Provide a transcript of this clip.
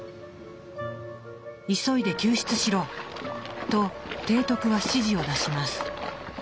「急いで救出しろ！」と提督は指示を出します。